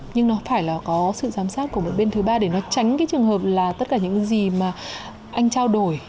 nhưng nó phải là có sự giám sát của một bên thứ ba để nó tránh cái trường hợp là tất cả những cái gì mà anh trao đổi